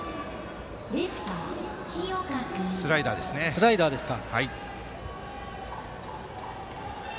スライダーですね。